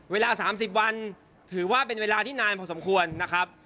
เวลา๓๐วันถือว่าเป็นเวลาที่นานพอสมควรนะครับ